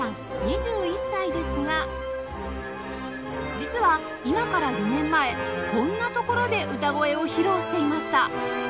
実は今から４年前こんなところで歌声を披露していました